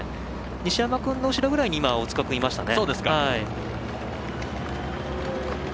西山君の後ろぐらいに大塚君いましたね。